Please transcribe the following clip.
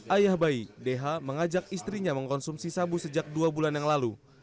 ayah bayi deha mengajak istrinya mengkonsumsi sabu sejak dua bulan yang lalu